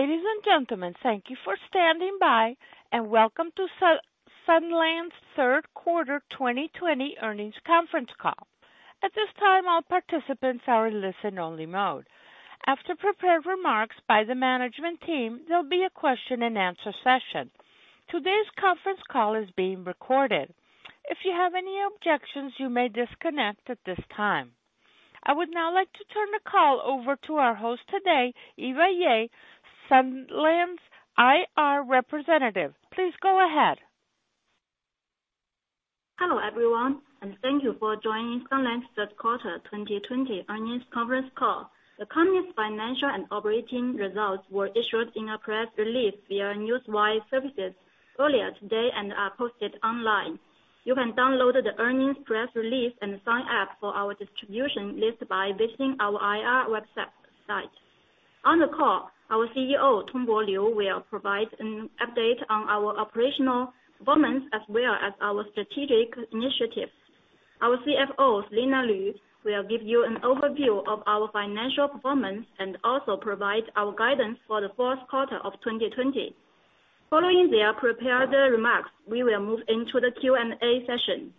Ladies and gentlemen, thank you for standing by, and welcome to Sunlands' Third Quarter 2020 Earnings Conference Call. At this time, all participants are in listen only mode. After prepared remarks by the management team, there'll be a question and answer session. Today's conference call is being recorded. If you have any objections, you may disconnect at this time. I would now like to turn the call over to our host today, Yuhua Ye, Sunlands IR Representative. Please go ahead. Hello, everyone, and thank you for joining Sunlands' third quarter 2020 earnings conference call. The company's financial and operating results were issued in a press release via Newswire services earlier today and are posted online. You can download the earnings press release and sign up for our distribution list by visiting our IR website. On the call, our CEO, Tongbo Liu, will provide an update on our operational performance, as well as our strategic initiatives. Our CFO, Lu Lv, will give you an overview of our financial performance and also provide our guidance for the fourth quarter of 2020. Following their prepared remarks, we will move into the Q&A session.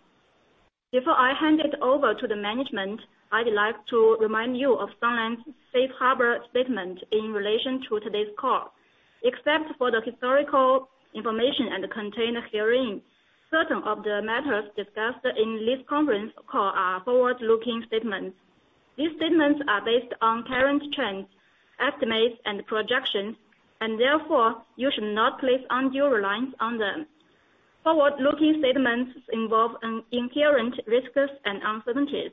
Before I hand it over to the management, I'd like to remind you of Sunlands' safe harbor statement in relation to today's call. Except for the historical information and the contained herein, certain of the matters discussed in this conference call are forward-looking statements. These statements are based on current trends, estimates, and projections, and therefore, you should not place undue reliance on them. Forward-looking statements involve inherent risks and uncertainties.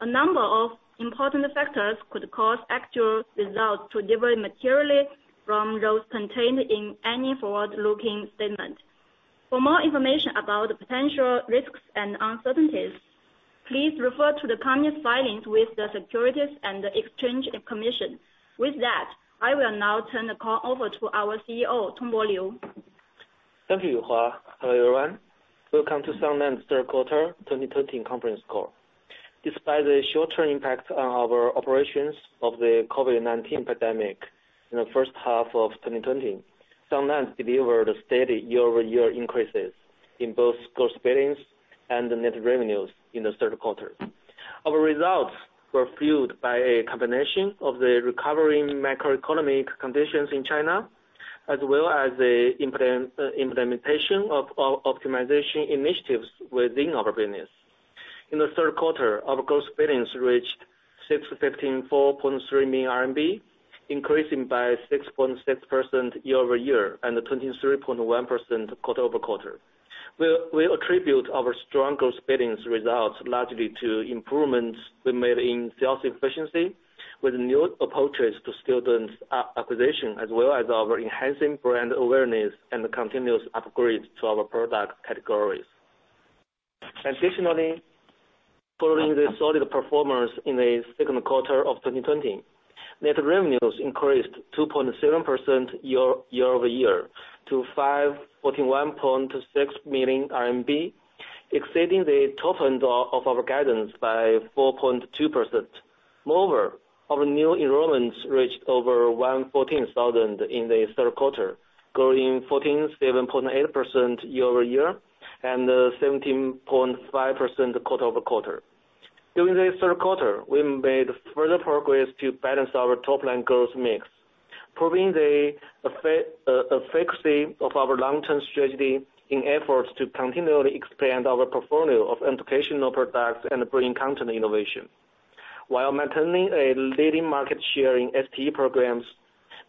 A number of important factors could cause actual results to differ materially from those contained in any forward-looking statement. For more information about the potential risks and uncertainties, please refer to the company's filings with the Securities and Exchange Commission. With that, I will now turn the call over to our CEO, Tongbo Liu. Thank you, Yuhua. Hello, everyone. Welcome to Sunlands' third quarter 2020 conference call. Despite the short-term impact on our operations of the COVID-19 pandemic in the first half of 2020, Sunlands delivered steady year-over-year increases in both gross billings and net revenues in the third quarter. Our results were fueled by a combination of the recovering macroeconomic conditions in China, as well as the implementation of our optimization initiatives within our business. In the third quarter, our gross billings reached RMB 6,154.3 million, increasing by 6.6% year-over-year and 23.1% quarter-over-quarter. We attribute our strong gross billings results largely to improvements we made in sales efficiency with new approaches to student acquisition, as well as our enhancing brand awareness and the continuous upgrades to our product categories. Additionally, following the solid performance in the second quarter of 2020, net revenues increased 2.7% year-over-year to 541.6 million RMB, exceeding the top end of our guidance by 4.2%. Moreover, our new enrollments reached over 114,000 in the third quarter, growing 147.8% year-over-year and 17.5% quarter-over-quarter. During the third quarter, we made further progress to balance our top-line growth mix, proving the efficacy of our long-term strategy in efforts to continually expand our portfolio of educational products and bring content innovation. While maintaining a leading market share in STE programs,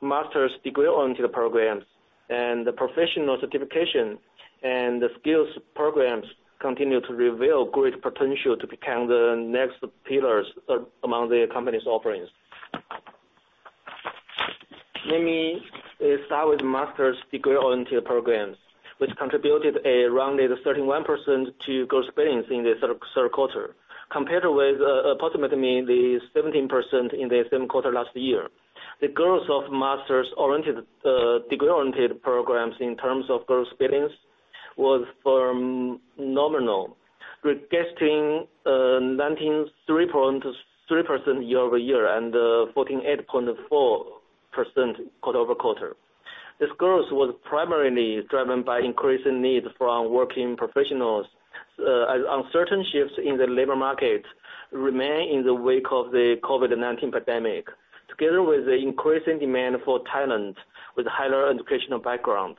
master's degree-oriented programs, and the professional certification and the skills programs continue to reveal great potential to become the next pillars among the company's offerings. Let me start with master's degree-oriented programs, which contributed around 31% to gross billings in the third quarter, compared with approximately the 17% in the same quarter last year. The growth of master's degree oriented programs in terms of gross billings was from nominal, registering 193.3% year-over-year, and 148.4% quarter-over-quarter. This growth was primarily driven by increasing need from working professionals as uncertain shifts in the labor market remain in the wake of the COVID-19 pandemic, together with the increasing demand for talent with higher educational background.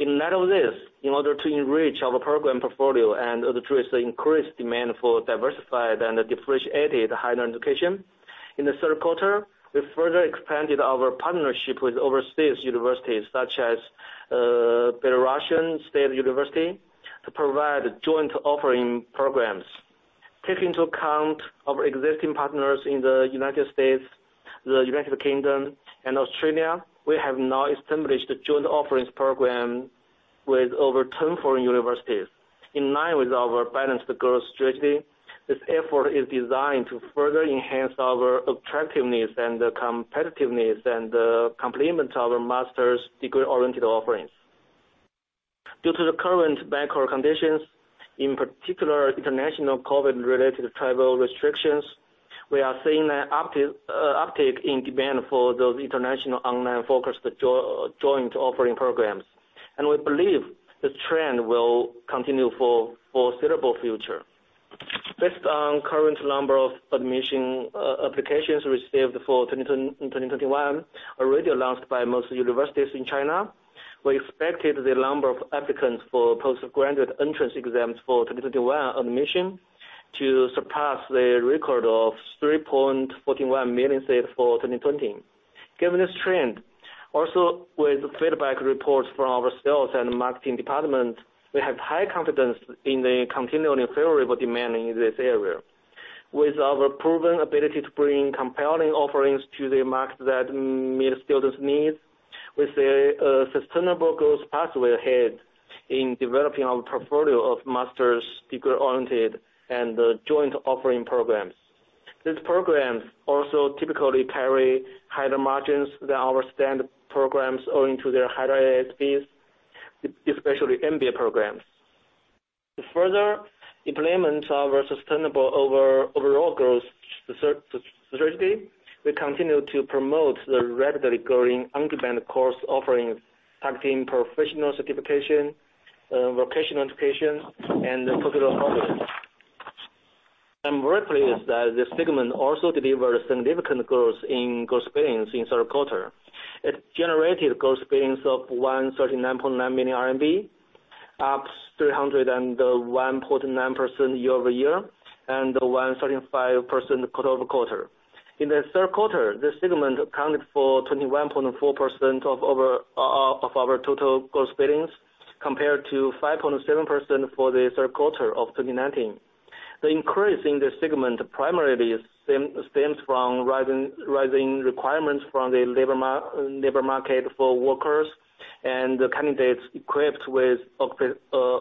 In light of this, in order to enrich our program portfolio and address the increased demand for diversified and differentiated higher education, in the third quarter, we further expanded our partnership with overseas universities such as Belarusian State University to provide joint offering programs. Take into account our existing partners in the United States, the United Kingdom, and Australia. We have now established joint offerings program with over 24 universities. In line with our balanced growth strategy, this effort is designed to further enhance our attractiveness and competitiveness and complement our master's degree oriented offerings. Due to the current macro conditions, in particular, international COVID-19-related travel restrictions, we are seeing an uptick in demand for those international online-focused joint offering programs, and we believe this trend will continue for foreseeable future. Based on current number of admission applications received for 2021, already announced by most universities in China, we expected the number of applicants for postgraduate entrance exams for 2021 admission to surpass the record of 3.41 million sales for 2020. Given this trend, also with feedback reports from our sales and marketing department, we have high confidence in the continuing favorable demand in this area. With our proven ability to bring compelling offerings to the market that meet students' needs, we see a sustainable growth pathway ahead in developing our portfolio of master's degree-oriented and joint offering programs. These programs also typically carry higher margins than our standard programs owing to their higher ASPs, especially MBA programs. To further implement our sustainable overall growth strategy, we continue to promote the rapidly growing on-demand course offering, targeting professional certification, vocational education, and the popular public. I'm grateful is that this segment also delivered significant growth in gross billings in the third quarter. It generated gross billings of 139.9 million RMB, up 301.9% year-over-year, and 135% quarter-over-quarter. In the third quarter, this segment accounted for 21.4% of our total gross billings, compared to 5.7% for the third quarter of 2019. The increase in this segment primarily stems from rising requirements from the labor market for workers, and candidates equipped with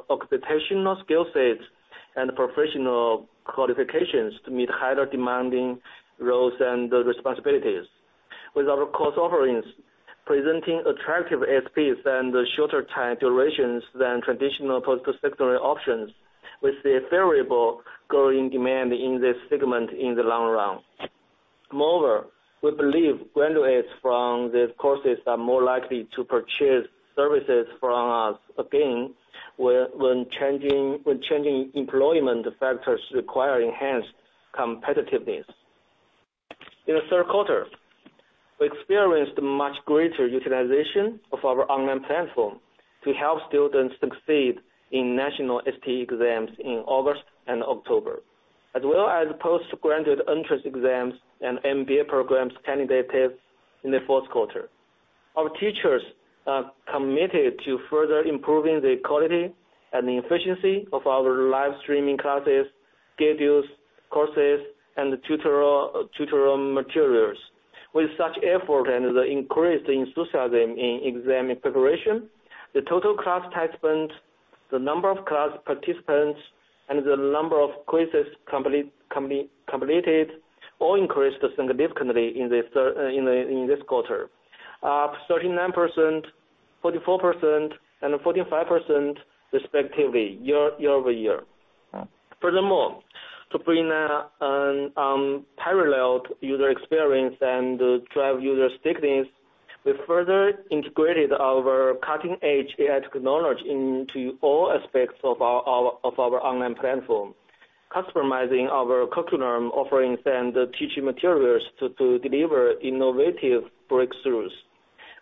occupational skill sets and professional qualifications to meet higher demanding roles and responsibilities. With our course offerings presenting attractive ASPs and shorter time durations than traditional post-secondary options, we see a favorable growing demand in this segment in the long run. Moreover, we believe graduates from these courses are more likely to purchase services from us again when changing employment factors require enhanced competitiveness. In the third quarter, we experienced much greater utilization of our online platform to help students succeed in national STE exams in August and October, as well as post-graduate entrance exams and MBA programs candidate tests in the fourth quarter. Our teachers are committed to further improving the quality and efficiency of our live streaming classes, schedules, courses, and tutorial materials. With such effort and the increase in enthusiasm in exam preparation, the total class time spent, the number of class participants, and the number of quizzes completed all increased significantly in this quarter. Up 39%, 44%, and 45% respectively, year-over-year. To bring a paralleled user experience and drive user stickiness, we further integrated our cutting-edge AI technology into all aspects of our online platform. Customizing our curriculum offerings and teaching materials to deliver innovative breakthroughs.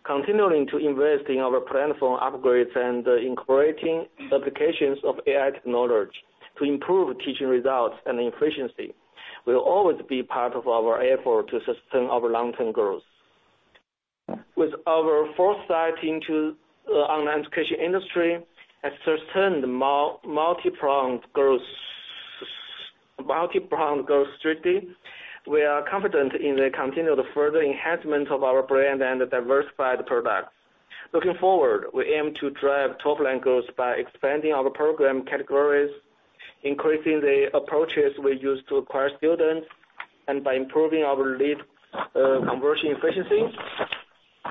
Continuing to invest in our platform upgrades and incorporating applications of AI technology to improve teaching results and efficiency, will always be part of our effort to sustain our long-term growth. With our foresight into online education industry, a sustained multi-pronged growth strategy, we are confident in the continued further enhancement of our brand and diversified products. Looking forward, we aim to drive top-line growth by expanding our program categories, increasing the approaches we use to acquire students, and by improving our lead conversion efficiency.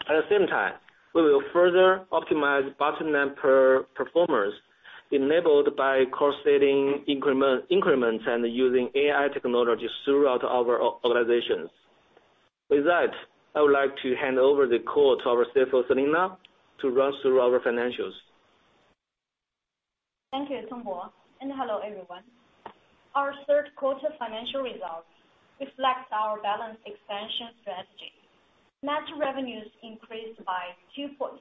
At the same time, we will further optimize bottom-line performance enabled by cost-saving increments and using AI technologies throughout our organizations. With that, I would like to hand over the call to our CFO, Selena, to run through our financials. Thank you, Tongbo, and hello, everyone. Our third quarter financial results reflect our balanced expansion strategy. Net revenues increased by 2.7%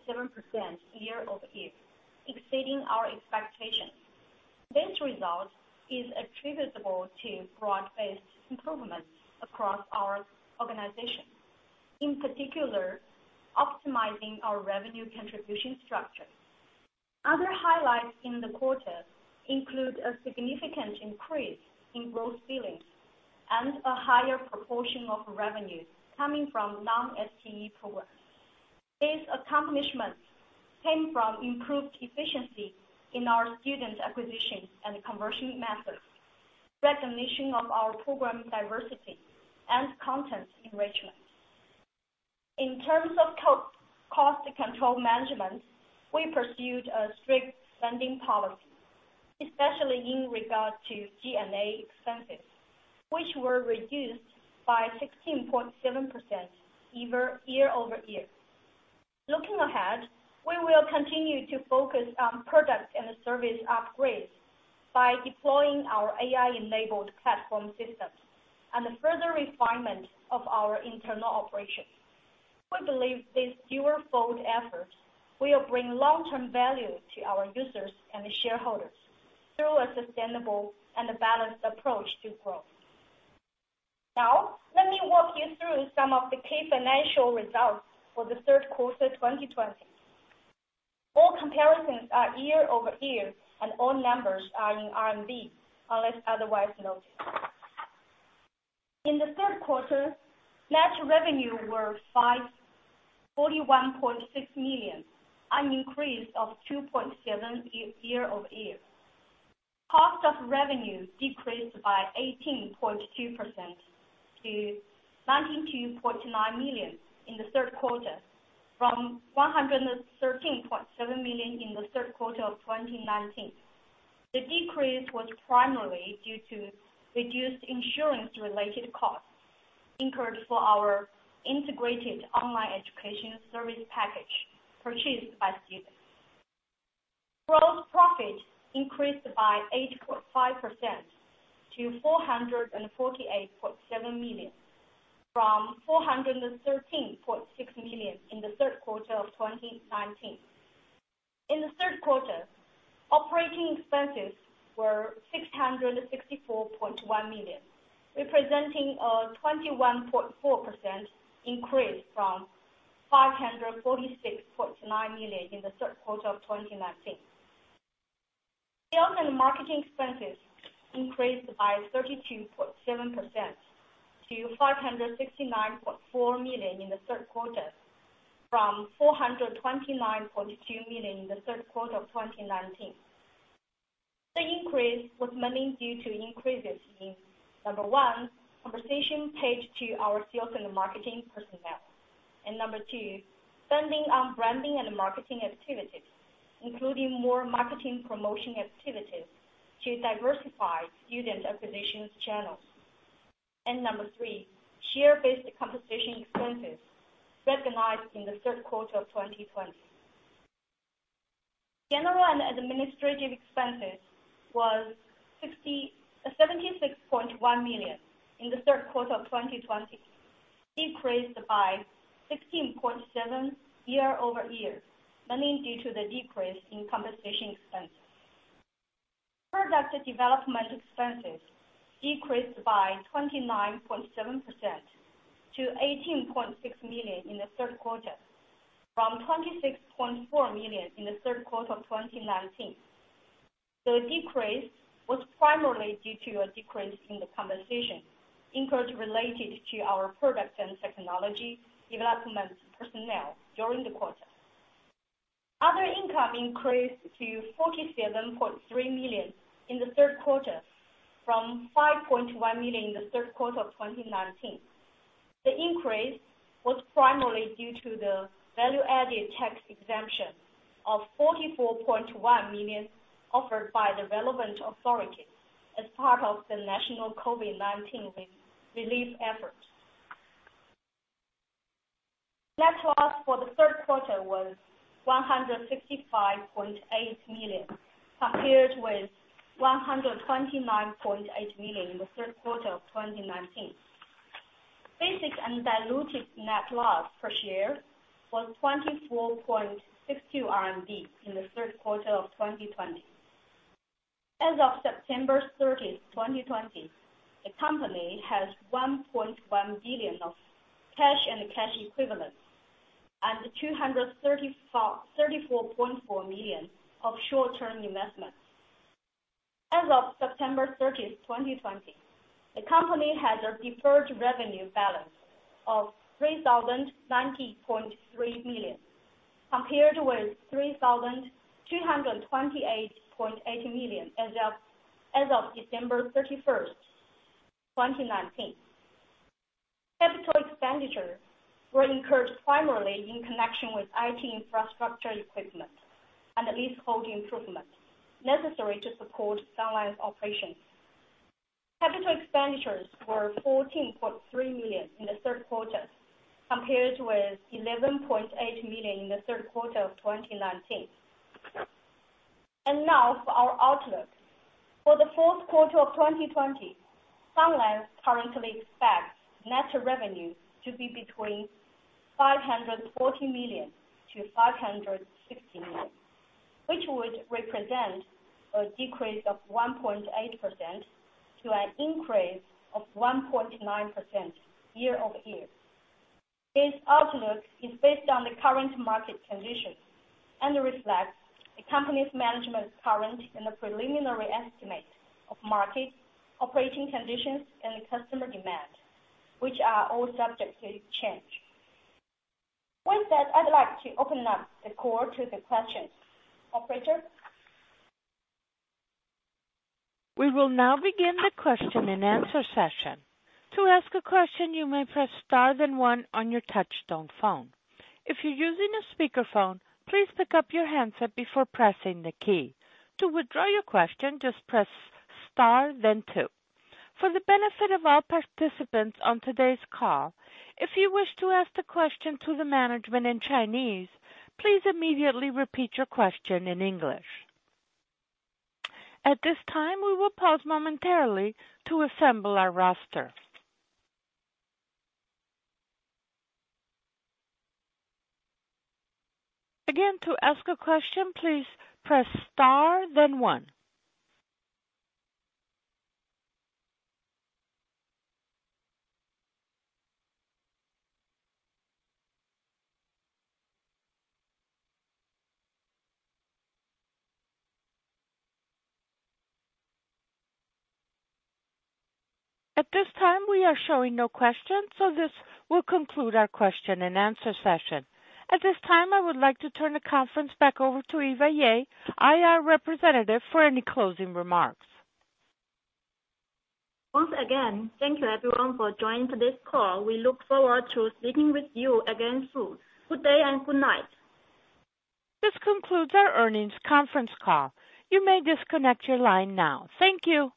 year-over-year, exceeding our expectations. This result is attributable to broad-based improvements across our organization, in particular, optimizing our revenue contribution structure. Other highlights in the quarter include a significant increase in gross billings and a higher proportion of revenues coming from non-STE programs. These accomplishments came from improved efficiency in our student acquisition and conversion methods, recognition of our program diversity, and content enrichment. In terms of cost control management, we pursued a strict spending policy, especially in regard to G&A expenses, which were reduced by 16.7% year-over-year. Looking ahead, we will continue to focus on product and service upgrades by deploying our AI-enabled platform systems and the further refinement of our internal operations. We believe this two-fold effort will bring long-term value to our users and shareholders through a sustainable and balanced approach to growth. Now, let me walk you through some of the key financial results for the third quarter 2020. All comparisons are year-over-year, and all numbers are in RMB unless otherwise noted. In the third quarter, net revenue were 541.6 million, an increase of 2.7% year-over-year. Cost of revenue decreased by 18.2% to 92.9 million in the third quarter from 113.7 million in the third quarter of 2019. The decrease was primarily due to reduced insurance-related costs incurred for our integrated online education service package purchased by students. Gross profit increased by 8.5% to 448.7 million from 413.6 million in the third quarter of 2019. In the third quarter, operating expenses were 664.1 million, representing a 21.4% increase from 546.9 million in the third quarter of 2019. Sales and marketing expenses increased by 32.7% to 569.4 million in the third quarter from 429.2 million in the third quarter of 2019. The increase was mainly due to increases in, number one, compensation paid to our sales and marketing personnel. Number two, spending on branding and marketing activities, including more marketing promotion activities to diversify student acquisition channels. Number three, share-based compensation expenses recognized in the third quarter of 2020. General and administrative expenses was 76.1 million in the third quarter of 2020, decreased by 16.7% year-over-year, mainly due to the decrease in compensation expenses. Product development expenses decreased by 29.7% to 18.6 million in the third quarter from 26.4 million in the third quarter of 2019. The decrease was primarily due to a decrease in the compensation incurred related to our product and technology development personnel during the quarter. Other income increased to 47.3 million in the third quarter from 5.1 million in the third quarter of 2019. The increase was primarily due to the value-added tax exemption of 44.1 million offered by the relevant authorities as part of the national COVID-19 relief effort. Net loss for the third quarter was 165.8 million, compared with 129.8 million in the third quarter of 2019. Basic and diluted net loss per share was 24.62 RMB in the third quarter of 2020. As of September 30, 2020, the company has 1.1 billion of cash and cash equivalents and 234.4 million of short-term investments. As of September 30th, 2020, the company has a deferred revenue balance of 3,090.3 million, compared with 3,228.8 million as of December 31st, 2019. Capital expenditure were incurred primarily in connection with IT infrastructure equipment and leasehold improvements necessary to support Sunlands operations. Capital expenditures were 14.3 million in the third quarter, compared with 11.8 million in the third quarter of 2019. Now for our outlook. For the fourth quarter of 2020, Sunlands currently expects net revenue to be between 540 million-560 million, which would represent a decrease of 1.8% to an increase of 1.9% year-over-year. This outlook is based on the current market conditions and reflects the company's management's current and the preliminary estimate of market operating conditions and customer demand, which are all subject to change. With that, I'd like to open up the call to the questions. Operator? We now begin our question and answer session. To ask a question, you may press star one on your touchtone phone. If you're using a speakerphone, please pick up your handset before pressing the key. To withdraw your question just press star then two. For the benefit of all participants on today's call. If you wish to ask a question to the management in Chinese, please immediately repeat your question in English. At this time we will pause momentarily to assemble our roster. Again to ask a question, please press star the one. At this time we're showing no question, so this will conclude our question and answer session. At this time, I would like to turn the conference back over to Yuhua Ye, IR Representative, for any closing remarks. Once again, thank you everyone for joining today's call. We look forward to speaking with you again soon. Good day and good night. This concludes our earnings conference call. You may disconnect your line now. Thank you.